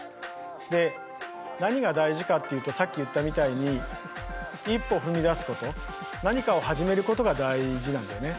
で何が大事かっていうとさっき言ったみたいに一歩踏み出すこと何かを始めることが大事なんだよね。